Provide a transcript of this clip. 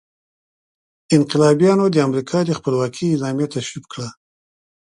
انقلابیانو د امریکا د خپلواکۍ اعلامیه تصویب کړه.